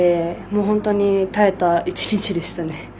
本当に耐えた１日でしたね。